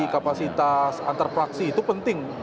kapasitas antar praksi itu penting